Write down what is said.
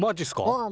うん。